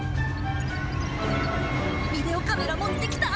ビデオカメラ持ってきた？